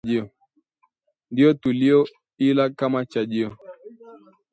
Ndiyo tuliyoila Kama chajio